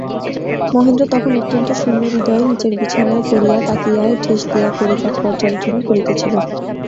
মহেন্দ্র তখন অত্যন্ত শূন্যহৃদয়ে নীচের বিছানায় পড়িয়া তাকিয়ায় ঠেস দিয়া কড়িকাঠ পর্যালোচনা করিতেছিল।